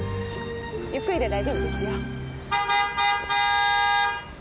ゆっくりで大丈夫ですよ。